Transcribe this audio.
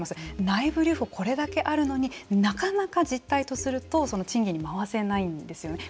内部留保、これだけあるのになかなか実態とすると賃金に回せないんですよね。